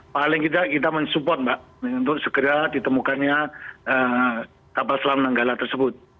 paling tidak kita mensupport mbak untuk segera ditemukannya kapal selam nanggala tersebut